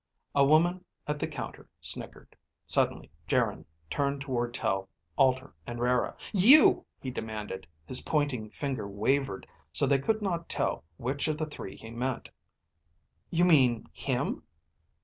A woman at the counter snickered. Suddenly Geryn turned toward Tel, Alter, and Rara. "You!" he demanded. His pointing finger wavered so they could not tell which of the three he meant. "You mean him?"